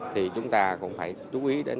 thì chúng ta cũng phải chú ý đến